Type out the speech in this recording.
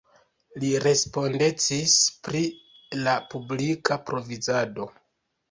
Li respondecis pri la publika provizado.